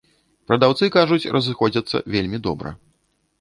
Прадаўцы кажуць, разыходзяцца вельмі добра.